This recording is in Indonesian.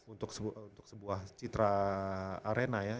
untuk sebuah citra arena ya